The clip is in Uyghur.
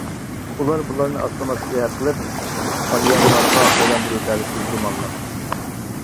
ئۇلار بۇلارنى ئاسسىمىلياتسىيە قىلىپ، ئارىيانلارغا ئايلاندۇرۇۋېتەلىشى گۇمانلىق.